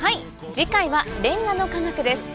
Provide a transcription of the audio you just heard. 次回はレンガの科学です。